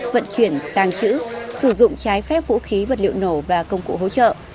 vận chuyển tàng trữ sử dụng trái phép vũ khí vật liệu nổ và công cụ hỗ trợ